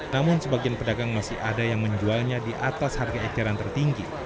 namun sebagian pedagang masih ada yang menjualnya di atas harga eceran tertinggi